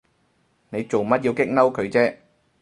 你做乜要激嬲佢啫？